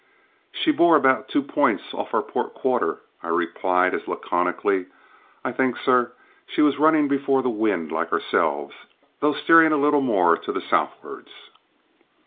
"She bore about two points off our port quarter," I replied as laconically. "I think, sir, she was running before the wind like ourselves, though steering a little more to the southwards."